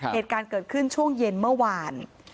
เหตุการณ์เกิดขึ้นช่วงเย็นเมื่อวาน